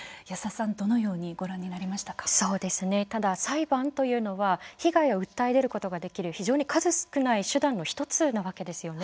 そうですね、ただ裁判というのは被害を訴え出ることができる非常に数少ない手段の一つなわけですよね。